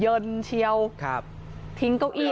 เจ้าของห้องเช่าโพสต์คลิปนี้